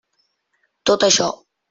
Tot això.